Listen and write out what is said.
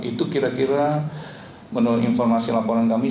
itu kira kira menurut informasi laporan kami